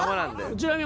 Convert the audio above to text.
ちなみに。